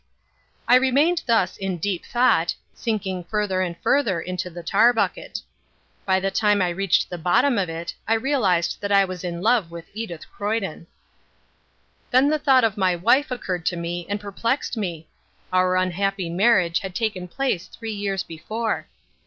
I remained thus in deep thought, sinking further and further into the tar bucket. By the time I reached the bottom of it I realized that I was in love with Edith Croyden. Then the thought of my wife occurred to me and perplexed me. Our unhappy marriage had taken place three years before.